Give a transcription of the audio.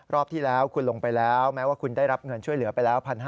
รอบที่แล้วคุณลงไปแล้วแม้ว่าคุณได้รับเงินช่วยเหลือไปแล้ว๑๕๐๐